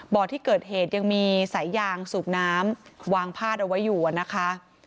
บ่อที่เกิดเหตุยังมีสายยางสูบน้ำวางพาดเอาไว้อยู่นะคะ